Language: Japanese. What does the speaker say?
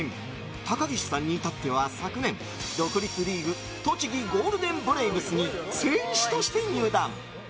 高岸さんに至っては昨年、独立リーグ栃木ゴールデンブレーブスに選手として入団。